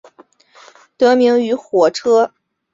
得名于火车头体育场。